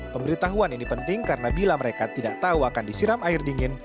pemberitahuan ini penting karena bila mereka tidak tahu akan disiram air dingin